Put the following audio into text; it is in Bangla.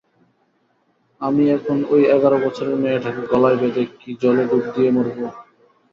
আমি এখন ঐ এগারো বছরের মেয়েটাকে গলায় বেঁধে কি জলে ডুব দিয়ে মরব?